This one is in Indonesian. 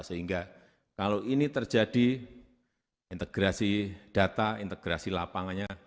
sehingga kalau ini terjadi integrasi data integrasi lapangannya